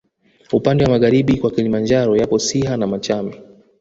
Upande magharibi kwa Kilimanjaro yapo Siha na Machame